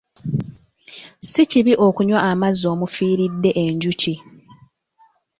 Si kibi okunywa amazzi omufiiridde enjuki.